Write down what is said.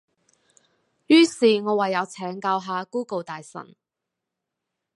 於是我唯有請教下 Google 大神